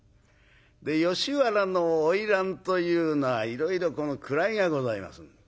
吉原の花魁というのはいろいろ位がございます。